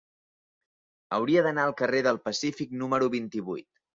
Hauria d'anar al carrer del Pacífic número vint-i-vuit.